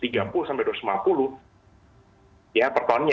ya per tahunnya dolar per tahunnya